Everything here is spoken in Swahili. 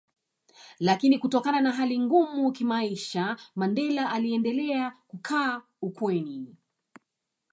Lakini Kutokana na hali ngumu kimaisha Mandela aliendelea kukaa ukweni